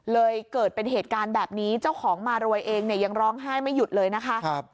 เลยเกิดเป็นเหตุการณ์แบบนี้เจ้าของมารวยเองเนี่ยยังร้องไห้ไม่หยุดเลยนะคะ